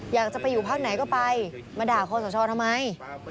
อยากจะไปอยู่พักไหนก็ไปมาด่าคอสชทำไม